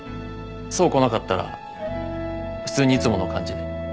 想来なかったら普通にいつもの感じで。